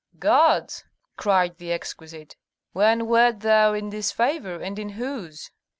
"Gods!" cried the exquisite. "When wert thou in disfavor, and in whose?